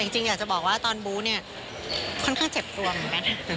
จริงอยากจะบอกว่าตอนบู๊เนี่ยค่อนข้างเจ็บตัวเหมือนกันนะ